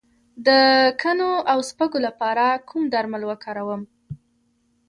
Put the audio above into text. د کنو او سپږو لپاره کوم درمل وکاروم؟